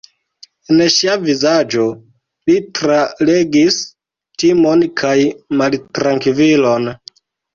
En ŝia vizaĝo li tralegis timon kaj maltrankvilon.